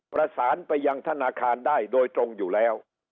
ประสานไปยังธนาคารได้โดยตรงอยู่แล้ว